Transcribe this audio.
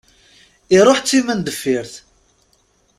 Iruḥ d timendeffirt.